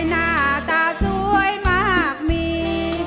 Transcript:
หน้าตาสวยมากมี